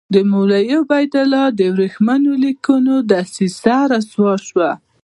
د مولوي عبیدالله د ورېښمینو لیکونو دسیسه رسوا شوه.